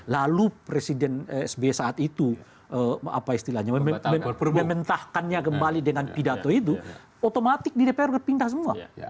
lalu presiden sbi saat itu apa istilahnya mementahkannya kembali dengan pidato itu otomatik di dprd pindah semua